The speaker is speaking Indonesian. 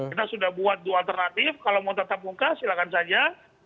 kita sudah buat dua alternatif kalau mau tetap muka silahkan saja